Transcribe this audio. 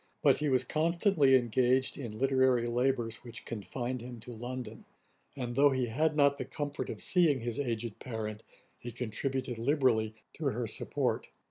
But he was constantly engaged in literary labours which confined him to London; and though he had not the comfort of seeing his aged parent, he contributed liberally to her support.